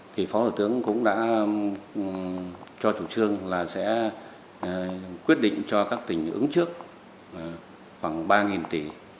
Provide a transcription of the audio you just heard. thì phó thủ tướng cũng đã cho chủ trương là sẽ quyết định cho các tỉnh ứng trước khoảng ba tỷ